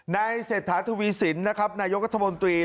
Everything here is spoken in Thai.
ในเศรษฐาทวีสินยกธมนธุระบท